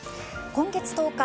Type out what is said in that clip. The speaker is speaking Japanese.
今月１０日